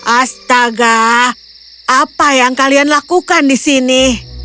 astaga apa yang kalian lakukan di sini